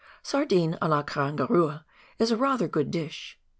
Sardine a la Karangarua is rather a good dish.